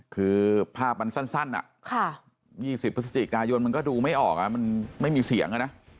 คือภาพมันสั้นนี่สิทธิประสิทธิกายนมันก็ดูไม่ออกมันไม่มีเสียง